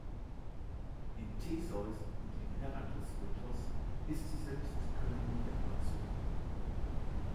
Im Theseus- und im Herakles-Mythos ist sie selbst Königin der Amazonen.